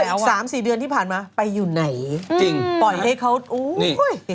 แล้วอีก๓๔เดือนที่ผ่านมาไปอยู่ไหนปล่อยให้เขาอุ้ย